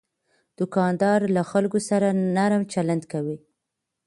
دوکاندار له خلکو سره نرم چلند کوي.